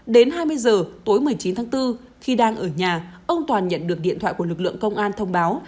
đến hai mươi h tối một mươi chín tháng bốn khi đang ở nhà ông toàn nhận được điện thoại của lực lượng công an thông báo